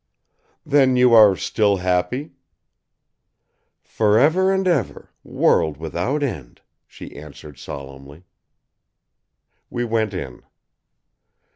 "Then you are still happy?" "Forever and ever, world without end," she answered solemnly. We went in.